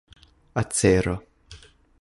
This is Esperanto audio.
acero